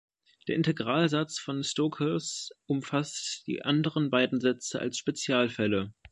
Der Integralsatz von Stokes umfasst die anderen beiden Sätze als Spezialfälle.